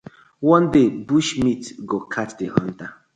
One day bush meat go catch the hunter: